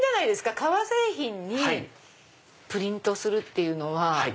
革製品にプリントするっていうのは。